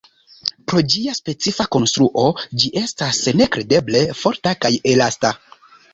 Pro ĝia specifa konstruo, ĝi estas nekredeble forta kaj elasta.